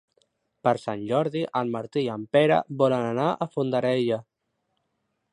Per Sant Jordi en Martí i en Pere volen anar a Fondarella.